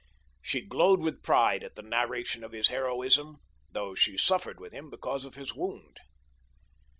She glowed with pride at the narration of his heroism, though she suffered with him because of his wound.